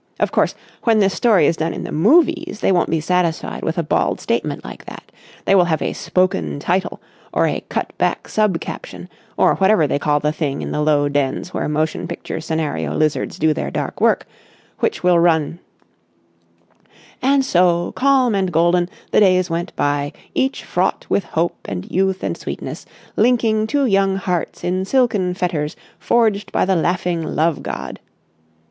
Of course, when this story is done in the movies they won't be satisfied with a bald statement like that; they will have a Spoken Title or a Cut Back Sub Caption or whatever they call the thing in the low dens where motion picture scenario lizards do their dark work, which will run:— AND SO, CALM AND GOLDEN, THE DAYS WENT BY, EACH FRAUGHT WITH HOPE AND YOUTH AND SWEETNESS, LINKING TWO YOUNG HEARTS IN SILKEN FETTERS FORGED BY THE LAUGHING LOVE GOD.